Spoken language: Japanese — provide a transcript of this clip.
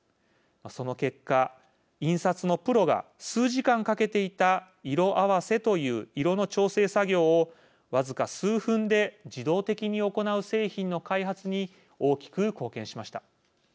その結果印刷のプロが数時間かけていた色合わせという色の調整作業を僅か数分で自動的に行う製品の開発に大きく貢献しました。